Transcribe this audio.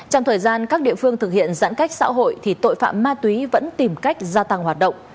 trong thời gian các địa phương thực hiện giãn cách xã hội thì tội phạm ma túy vẫn tìm cách gia tăng hoạt động